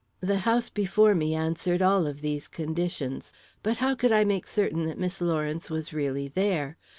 The house before me answered all of these conditions; but how could I make certain that Miss Lawrence was really there?